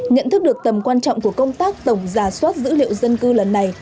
nhận thức được tầm quan trọng của công tác tổng giả soát dữ liệu dân cư lần này